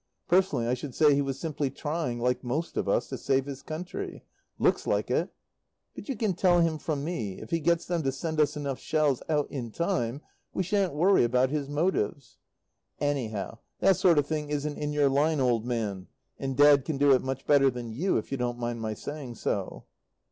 Personally, I should say he was simply trying, like most of us, to save his country. Looks like it. But you can tell him from me, if he gets them to send us enough shells out in time we shan't worry about his motives. Anyhow that sort of thing isn't in your line, old man, and Dad can do it much better than you, if you don't mind my saying so.